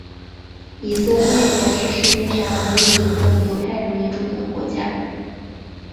以色列也是世界上唯一一个以犹太人为主的国家。